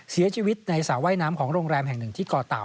เสียชีวิตในสระว่ายน้ำของโรงแรมแห่งหนึ่งที่ก่อเต่า